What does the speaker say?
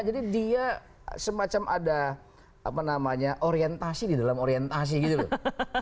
jadi dia semacam ada apa namanya orientasi di dalam orientasi gitu loh